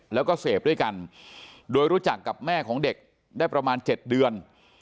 แล้วก็เสพด้วยกันโดยรู้จักกับแม่ของเด็กได้ประมาณ๗เดือน